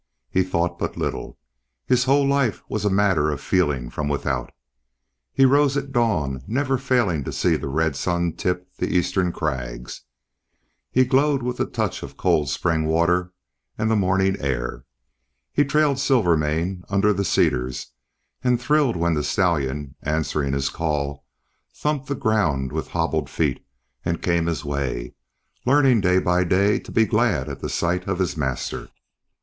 He thought but little; his whole life was a matter of feeling from without. He rose at dawn, never failing to see the red sun tip the eastern crags; he glowed with the touch of cold spring water and the morning air; he trailed Silvermane under the cedars and thrilled when the stallion, answering his call, thumped the ground with hobbled feet and came his way, learning day by day to be glad at sight of his master.